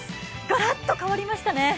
ガラッと変わりましたね。